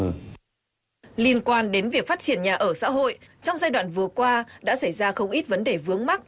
liên quan đến việc phát triển nhà ở xã hội trong giai đoạn vừa qua đã xảy ra không ít vấn đề vướng mắt